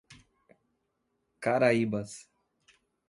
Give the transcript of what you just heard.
Caraíbas